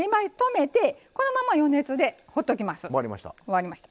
止めて、このまま余熱で放っておきます。